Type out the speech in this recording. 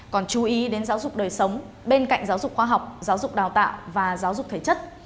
còn chú ý đến giáo dục đời sống bên cạnh giáo dục khoa học giáo dục đào tạo và giáo dục thể chất